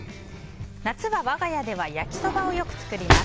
夏は我が家では焼きそばをよく作ります。